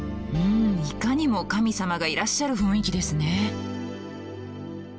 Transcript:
うんいかにも神様がいらっしゃる雰囲気ですね。